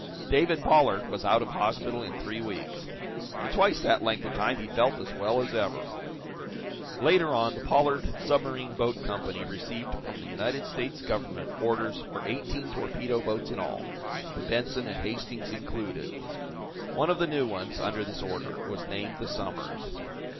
David Pollard was out of hospital in three weeks. In twice that length of time he felt as well as ever. Later on, the Pollard Submarine Boat Company received from the United States Government orders for eighteen torpedo boats in all, the "Benson" and "Hastings" included. One of the new ones, under this order, was named the "Somers."